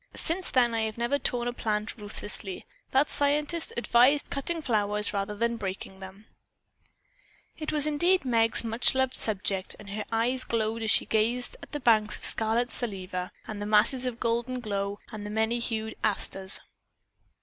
Since then I have never torn a plant ruthlessly. That scientist advised cutting flowers rather than breaking them." It was indeed Meg's much loved subject and her eyes glowed as she gazed at the banks of scarlet salvia, at the masses of golden glow, and many hued asters.